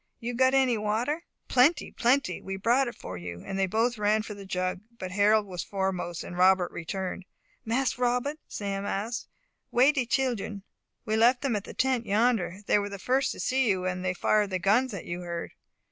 You got any water?" "Plenty plenty. We brought it for you," and they both ran for the jug, but Harold was foremost, and Robert returned. "Mas Robbut," Sam asked, "wey de children?" "We left them at the tent yonder. They were the first to see you; and they fired the guns that you heard."